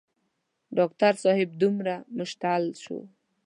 ډاکټر صاحب دومره مشتعل شو.